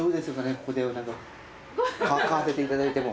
ここで何か買わせていただいても。